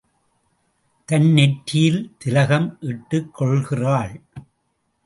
தன் நெற்றியில் திலகம் இட்டுக் கொள்கிறாள்.